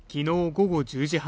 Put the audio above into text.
午後１０時半